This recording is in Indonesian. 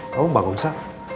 kamu bangun sa